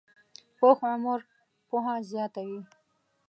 پوخ عمر پوهه زیاته وي